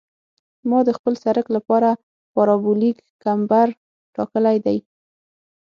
ما د خپل سرک لپاره پارابولیک کمبر ټاکلی دی